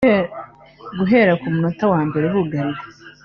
Guhera ku munota wa mbere bugarira